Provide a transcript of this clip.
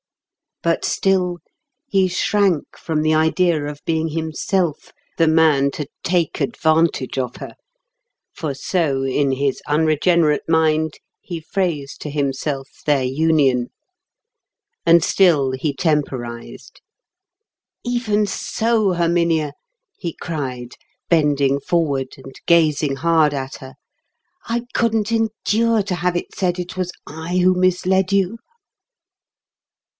But still, he shrank from the idea of being himself the man to take advantage of her; for so in his unregenerate mind he phrased to himself their union. And still he temporised. "Even so, Herminia," he cried, bending forward and gazing hard at her, "I couldn't endure to have it said it was I who misled you."